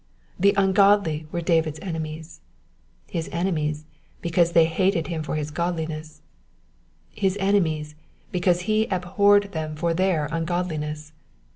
The ungodly were David's enemies : his enemies, because they hated him for his ^dliness ; his enemies, because he abhorred them for their ungodliness.